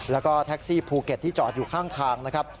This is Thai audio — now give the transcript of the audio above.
แล้วก็แท็กซี่ภูเก็ตที่จอดอยู่ข้างทางนะครับ